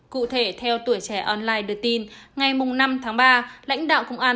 cụ thể theo tuổi trẻ online đưa tin ngày năm tháng ba lãnh đạo công an